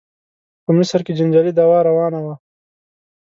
په مصر کې جنجالي دعوا روانه وه.